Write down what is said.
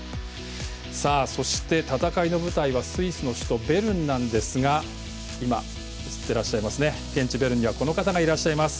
そして、戦いの舞台はスイスの首都ベルンなんですが現地ベルンにはこの方がいらっしゃいます。